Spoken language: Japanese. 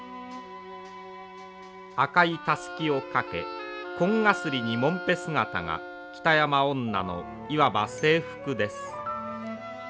赤いたすきを掛け紺がすりにもんぺ姿が北山女のいわば制服です。